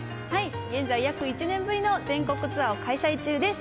現在、約１年ぶりの全国ツアーを開催中です。